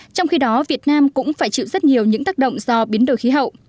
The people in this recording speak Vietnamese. trong khi đó việt nam cũng phải chịu rất nhiều những tác động do biến đổi khí hậu